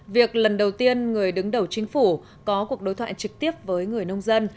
việc lần đầu tiên người đứng đầu chính phủ có cuộc đối thoại trực tiếp với người nông dân